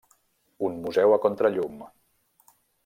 Un Museu a contrallum.